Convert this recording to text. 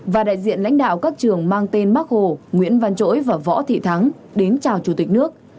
và đại diện lãnh đạo các trường mang tên bắc hồ nguyễn văn trỗi và võ thị thắng đến chào chủ tịch nước